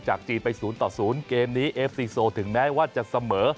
จีนไป๐ต่อ๐เกมนี้เอฟซีโซถึงแม้ว่าจะเสมอ